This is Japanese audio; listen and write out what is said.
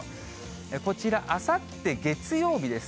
こちら、あさって月曜日です。